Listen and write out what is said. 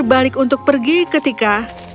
mereka berbalik untuk pergi ketika